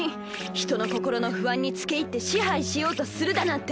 人の心の不安につけいって支配しようとするだなんて。